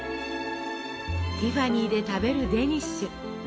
ティファニーで食べるデニッシュ。